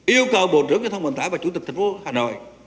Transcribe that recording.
yêu cầu bộ trưởng y tế vang vang và chủ tịch tp hcm